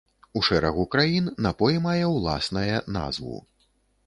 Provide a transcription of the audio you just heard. У шэрагу краін напой мае ўласнае назву.